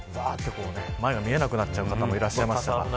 前が見えなくなっちゃう方もいらっしゃいました。